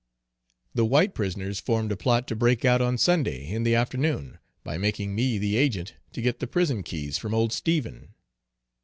The white prisoners formed a plot to break out on Sunday in the afternoon, by making me the agent to get the prison keys from old Stephen.